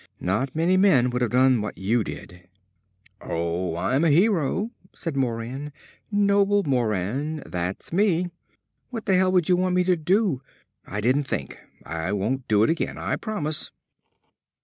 Not many men would have done what you did." "Oh, I'm a hero," said Moran. "Noble Moran, that's me! What the hell would you want me to do? I didn't think! I won't do it again. I promise!"